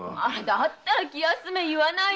だったら気休め言わないでよ。